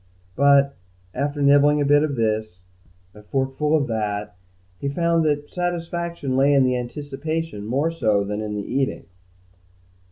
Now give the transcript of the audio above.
But, after nibbling a bit of this, a forkful of that, he found that satisfaction lay in the anticipation more so than in the eating.